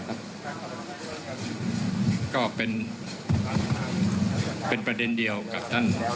ไม่ได้บังคับกันนะครับแต่ยังไงก็ต้องให้เกียรติธรรมนในการตอบสังธารข้อที่๓ครับ